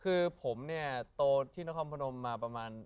คือผมเนี่ยโตที่นครพนมมาประมาณ